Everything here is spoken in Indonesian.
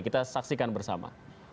kita saksikan bersama